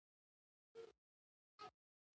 د بنسټيزو بدلونونو راوستل دي